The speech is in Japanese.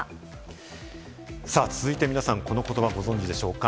続いて皆さん、この言葉をご存じでしょうか？